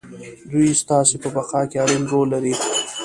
دوی ستاسې په بقا کې اړين رول لري.